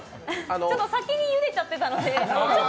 先にゆでちゃってたので。